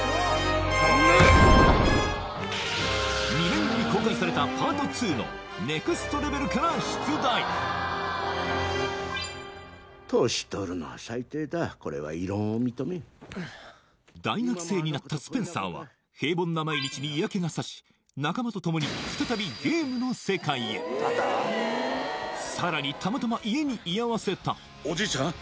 ２年後に公開されたパート２の大学生になったスペンサーは平凡な毎日に嫌気がさし仲間とともに再びゲームの世界へさらにたまたま家に居合わせたおじいちゃん？